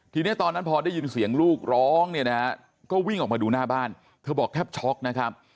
ทีนี้ตอนนั้นพอได้ยินเสียงลูกร้องเนี่ยนะฮะก็วิ่งออกมาดูหน้าบ้านเธอบอกแทบช็อกนะครับ